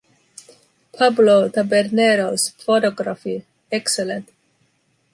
Pablo Tabernero´s photography, excellent.